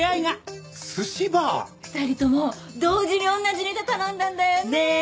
２人とも同時に同じネタ頼んだんだよね！